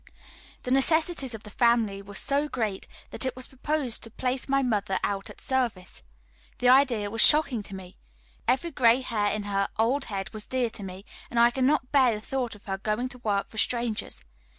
The necessities of the family were so great, that it was proposed to place my mother out at service. The idea was shocking to me. Every gray hair in her old head was dear to me, and I could not bear the thought of her going to work for strangers.